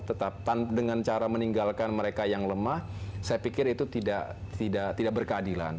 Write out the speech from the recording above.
tetap dengan cara meninggalkan mereka yang lemah saya pikir itu tidak berkeadilan